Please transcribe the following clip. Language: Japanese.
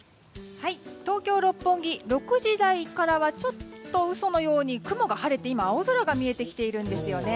東京・六本木６時台からはちょっと嘘のように雲が晴れて今、青空が見えてきています。